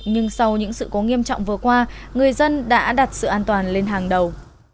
nhưng sau những sự cố nghiêm trọng vừa qua người dân đã đặt sự an toàn lên hàng đầu